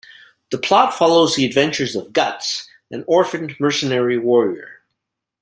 The plot follows the adventures of Guts, an orphaned mercenary warrior.